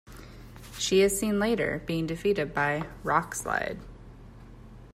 She is seen later being defeated by Rockslide.